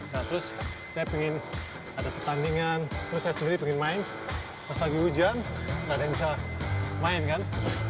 nah terus saya pengen ada pertandingan terus saya sendiri pengen main pas lagi hujan nggak ada yang bisa main kan